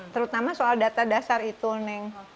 terutama soal data dasar itu neng